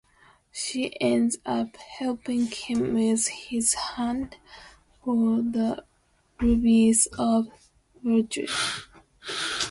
She ends up helping him with his hunt for the Rubies of Virtue.